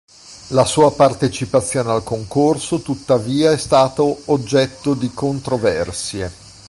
La sua partecipazione al concorso tuttavia è stato oggetto di controversie.